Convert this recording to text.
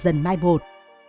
dần dần mai bột